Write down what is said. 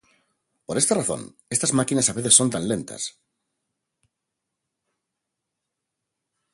Por esta razón, estas máquinas a veces son tan lentas.